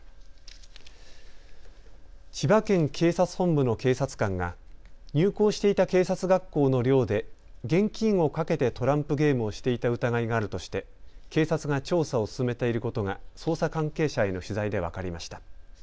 千葉県警察本部の警察官が入校していた警察学校の寮で現金を賭けてトランプゲームをしていた疑いがあるとして警察が調査を進めていることが捜査関係者への取材で分かりました。